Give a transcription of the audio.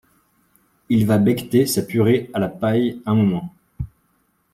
Il va becqueter sa purée à la paille un moment.